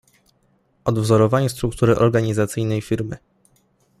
Odwzorowanie struktury organizacyjnej Firmy